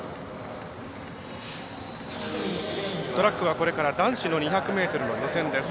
トラックはこれから男子の２００ｍの予選です。